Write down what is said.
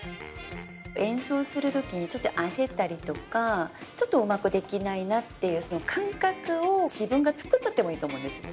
演奏する時にちょっと焦ったりとかちょっとうまくできないなっていうその感覚を自分が作っちゃってもいいと思うんですね。